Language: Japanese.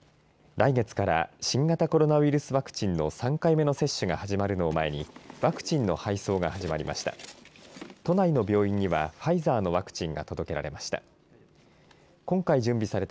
来月から新型コロナウイルスワクチンの３回目の接種が始まるのを前にワクチンの配送が始まりました。